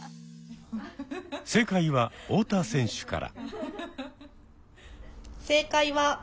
正解は太田選手から。